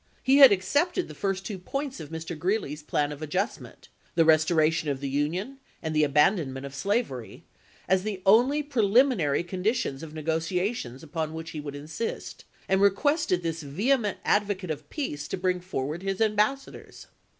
He had accepted the first two points of Mr. Greeley's plan of adjustment — the restoration of the Union, and the abandonment of slavery — as the only preliminary conditions of negotiations upon which he would insist, and re quested this vehement advocate of peace to bring forward his ambassadors.